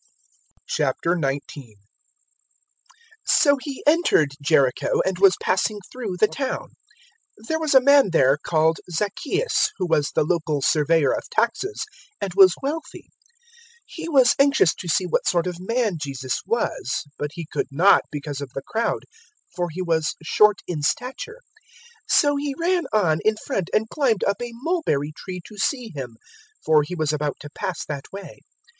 019:001 So He entered Jericho and was passing through the town. 019:002 There was a man there called Zacchaeus, who was the local surveyor of taxes, and was wealthy. 019:003 He was anxious to see what sort of man Jesus was; but he could not because of the crowd, for he was short in stature. 019:004 So he ran on in front and climbed up a mulberry tree to see Him; for He was about to pass that way.